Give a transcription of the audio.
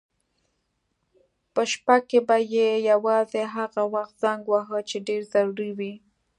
په شپه کې به یې یوازې هغه وخت زنګ واهه چې ډېر ضروري و.